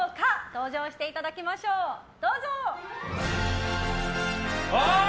登場していただきましょうどうぞ！